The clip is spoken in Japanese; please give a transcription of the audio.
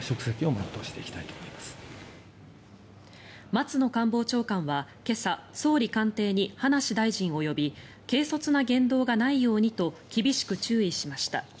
松野官房長官は今朝総理官邸に葉梨大臣を呼び軽率な言動がないようにと厳しく注意しました。